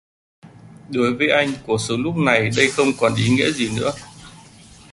Đối với anh Cuộc sống lúc này đây không còn ý nghĩa gì nữa